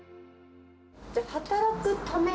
じゃあ、働くために？